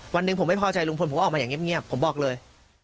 วันหนึ่งผมไม่พอใจลุงพลผมก็ออกมาอย่างเงียบผมบอกเลย